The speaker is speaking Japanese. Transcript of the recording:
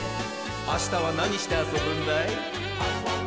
あしたはなにしてあそぶんだい？